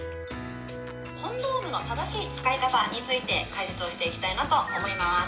「コンドームの正しい使い方について解説をしていきたいなと思います」。